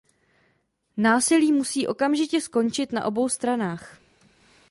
Násilí musí okamžitě skončit na obou stranách.